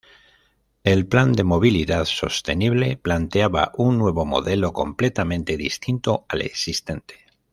El Plan de Movilidad sostenible planteaba un nuevo modelo completamente distinto al existente.